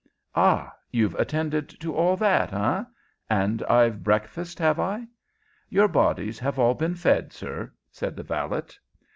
"Ah! You've attended to all that, eh? And I've breakfasted, have I?" "Your bodies have all been fed, sir," said the valet.